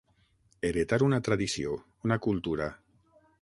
Heretar una tradició, una cultura.